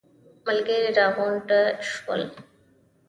ملګري راغونډ شول.